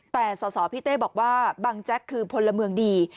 แต่สอสอพี่เต้บอกว่าบังแจ๊กคือพลเมืองดี